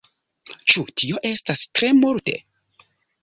Ĉu tio estas tre multe?